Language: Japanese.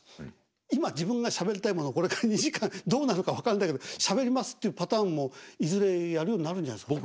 今自分がしゃべりたいものをこれから２時間どうなるか分かんないけどしゃべりますっていうパターンもいずれやるようになるんじゃないですか。